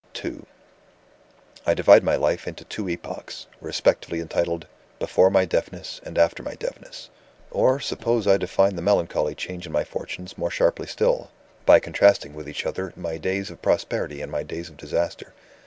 II "I divide my life into two Epochs respectively entitled: Before my Deafness, and After my Deafness. Or, suppose I define the melancholy change in my fortunes more sharply still, by contrasting with each other my days of prosperity and my days of disaster?